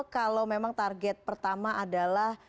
kalau memang target pertama adalah